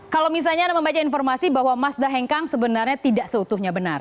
kalau misalnya anda membaca informasi bahwa mazda hengkang sebenarnya tidak seutuhnya benar